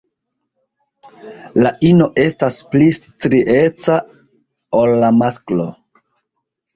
La ino estas pli strieca ol la masklo.